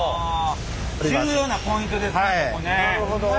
重要なポイントですね